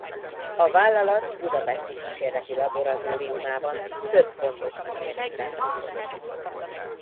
A vállalat budapesti kísérleti laboratóriumában több fontos kísérletben vett részt.